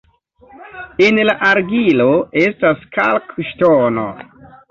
En la argilo estas kalkŝtono.